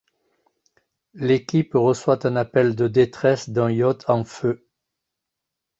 L'équipe reçoit un appel de détresse d'un yacht en feu.